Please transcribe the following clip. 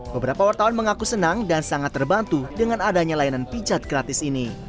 beberapa wartawan mengaku senang dan sangat terbantu dengan adanya layanan pijat gratis ini